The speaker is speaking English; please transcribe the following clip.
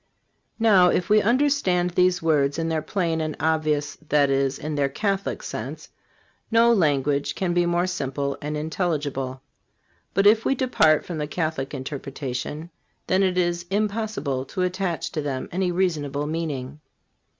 Now, if we understand these words in their plain and obvious; that is, in their Catholic, sense, no language can be more simple and intelligible. But if we depart from the Catholic interpretation, then it is impossible to attach to them any reasonable meaning.